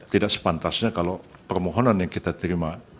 tidak sepantasnya kalau permohonan yang kita terima